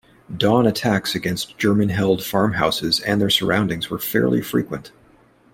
Dawn attacks against German held farmhouses and their surroundings were fairly frequent.